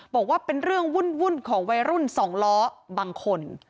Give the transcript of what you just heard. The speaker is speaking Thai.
บอกว่าเป็นเรื่องวุ่นของวัยรุ่นสองล้อบางคน